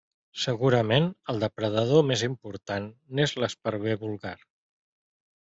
Segurament el depredador més important n'és l'esparver vulgar.